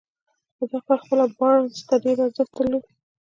خو دا کار خپله بارنس ته ډېر ارزښت درلود.